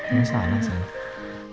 ini salah salah